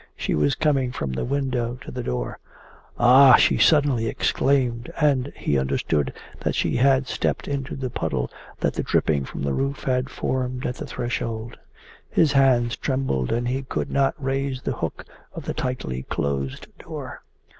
She was coming from the window to the door. 'Ah!' she suddenly exclaimed, and he understood that she had stepped into the puddle that the dripping from the roof had formed at the threshold. His hands trembled, and he could not raise the hook of the tightly closed door.